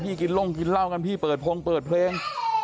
กินล่งกินเหล้ากันพี่เปิดพงเปิดเพลง